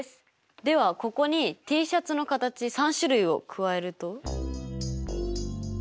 ではここにＴシャツの形３種類を加えると？